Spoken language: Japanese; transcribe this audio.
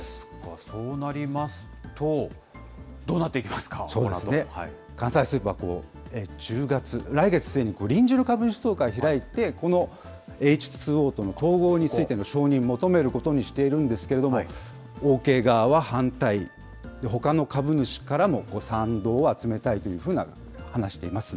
そうなりますと、どうなっていきますか、このあと。関西スーパー、１０月、来月末に臨時の株主総会を開いて、このエイチ・ツー・オーとの統合の承認を求めることにしているんですけれども、オーケー側は反対、ほかの株主からも賛同を集めたいというふうに話しています。